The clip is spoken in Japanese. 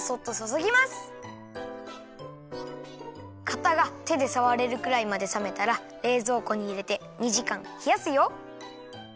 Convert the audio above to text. かたがてでさわれるくらいまでさめたられいぞうこにいれて２じかんひやすよ。